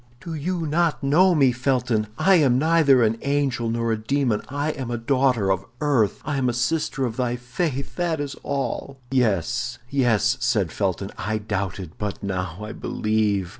"Do you not know me, Felton? I am neither an angel nor a demon; I am a daughter of earth, I am a sister of thy faith, that is all." "Yes, yes!" said Felton, "I doubted, but now I believe."